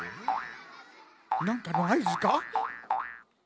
なんかのあいずか？